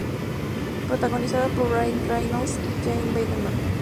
Protagonizada por Ryan Reynolds y Jason Bateman.